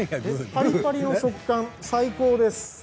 パリパリの食感が最高です。